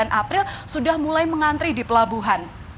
sembilan april sudah mulai mengantri di pelabuhan